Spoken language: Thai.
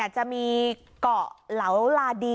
จะมีเกาะเหลาลาดี